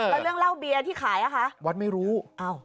แล้วเรื่องเหล้าเบียร์ที่ขายอ่ะคะวัดไม่รู้อ้าว